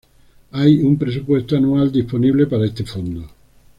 Hay un presupuesto anual disponible para este fondo.